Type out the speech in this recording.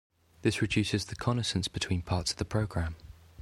This reduces the connascence between parts of the program.